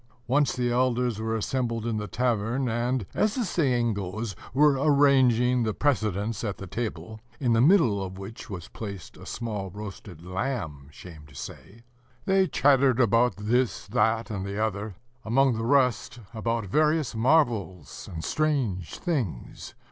Once the village elders were assembled in the tavern, and, as the saying goes, were arranging the precedence at the table, in the middle of which was placed a small roasted lamb, shame to say. They chattered about this, that, and the other, among the rest about various marvels and strange things.